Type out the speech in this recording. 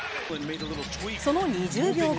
その２０秒後。